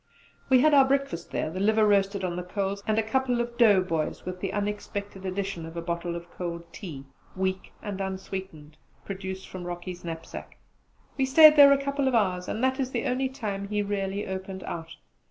We had our breakfast there the liver roasted on the coals, and a couple of 'dough boys,' with the unexpected addition of a bottle of cold tea, weak and unsweetened, produced from Rocky's knapsack! We stayed there a couple of hours, and that is the only time he really opened out.